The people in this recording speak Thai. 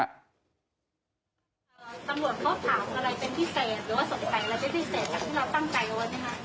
สำรวจเขาถามอะไรเป็นพิเศษหรือว่าสงสัยอะไรเป็นพิเศษ